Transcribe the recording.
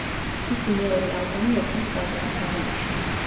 მისი მეორე ალბომი ოქროს სტატუსით აღინიშნა.